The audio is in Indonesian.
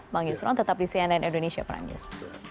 bang yusron tetap di cnn indonesia prime news